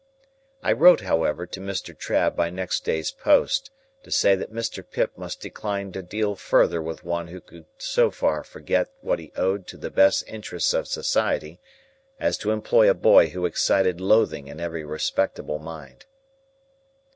I wrote, however, to Mr. Trabb by next day's post, to say that Mr. Pip must decline to deal further with one who could so far forget what he owed to the best interests of society, as to employ a boy who excited Loathing in every respectable mind.